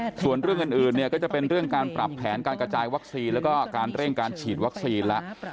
ส่วนเรื่องอื่นอื่นเนี่ยก็จะเป็นเรื่องการปรับแผนการกระจายวัคซีนแล้วก็การเร่งการฉีดวัคซีนแล้ว